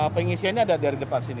pengisiannya ada dari depan sini